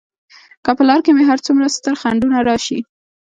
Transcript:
که په لار کې مې هر څومره ستر خنډونه راشي.